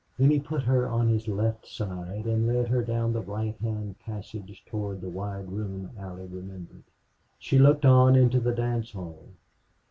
Then he put her on his left side and led her down the righthand passage toward the wide room Allie remembered. She looked on into the dance hall.